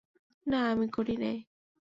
না আমি করি নাই।